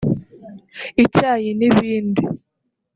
icyayi n’ibindi